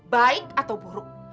baik atau buruk